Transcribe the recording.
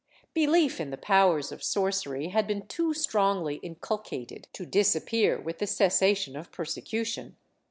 ^ Belief in the powers of sorcery had been too strongly inculcated to disappear with the cessation of persecution.